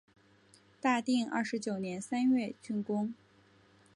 大定二十九年三月竣工。